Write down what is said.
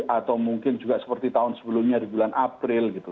atau mungkin juga seperti tahun sebelumnya di bulan april gitu